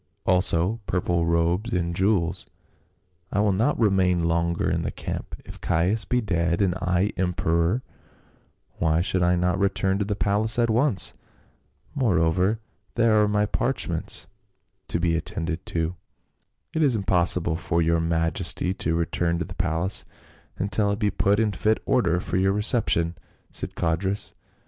also purple robes and jewels ; I will not remain longer in the camp ; if Caius be dead and I emperor, why should I not return to the palace at once ?— Moreover there are my parchments to be attended to." " It is impossible for your majesty to return to the palace until it be put in fit order for your reception," said Codrus.